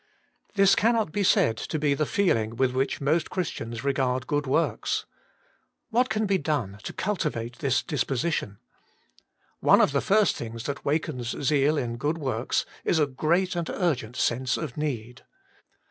This cannot be said to be the feeling with which most Christians regard good works. 109 I lo Working for God What can be done to cultivate this dispo sition ? One of the first things that wakens zeal in work is a great and urgent sense of need.